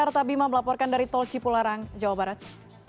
arta bima melaporkan dari tol cipularang jawa barat